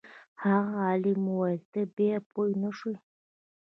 هغه عالم وویل ته بیا پوه نه شوې.